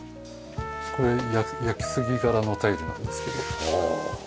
これ焼杉柄のタイルなんですけど。